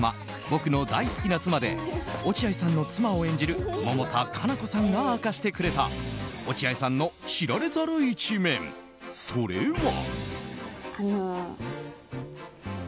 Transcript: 「僕の大好きな妻！」で落合さんの妻を演じる百田夏菜子さんが明かしてくれた落合さんの知られざる一面それは。